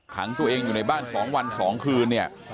ขังตัวเองอยู่ในบ้าน๒วัน๒คืนเนี่ย